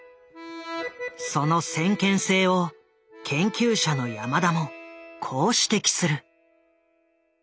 その先見性を研究者のヤマダもこう指摘する。